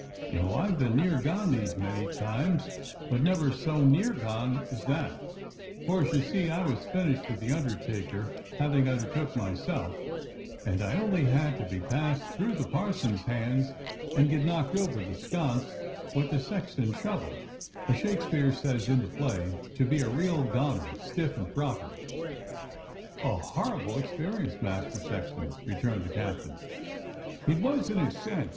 No, I've been near gone these many times, but never so near gone as that, for, as you see, I was finished with the undertaker having undertook myself, and I only had to be passed through the parson's hands and get knocked over the sconce with the sexton's shovel, as Shakespeare says in the play, to be a real 'gonner,' stiff and proper." "A horrible experience. Master Sexton," returned the captain. "It was in a sense.